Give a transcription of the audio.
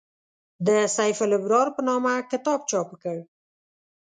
د «سیف الابرار» په نامه کتاب چاپ کړ.